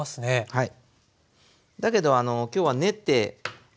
はい。